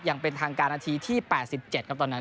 อย่างเป็นทางการนาทีที่๘๗ครับตอนนั้น